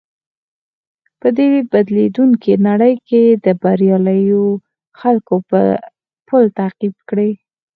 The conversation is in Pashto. په دې بدليدونکې نړۍ کې د برياليو خلکو پل تعقيب کړئ.